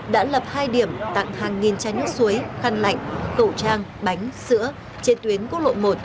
đã lập hai điểm tặng hàng nghìn chai nước suối khăn lạnh khẩu trang bánh sữa trên tuyến quốc lộ một